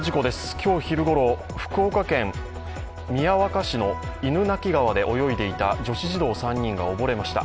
今日昼ごろ福岡県宮若市の犬鳴川で泳いでいた女子児童３人が溺れました。